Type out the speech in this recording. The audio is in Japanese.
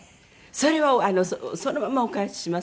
それはそのままお返しします。